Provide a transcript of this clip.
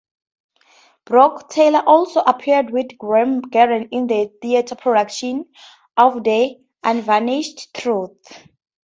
Brooke-Taylor also appeared with Graeme Garden in the theatre production of "The Unvarnished Truth".